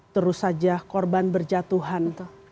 terus saja korban berjatuhan